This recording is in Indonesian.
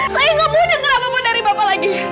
saya gak mau denger apa apa dari bapak lagi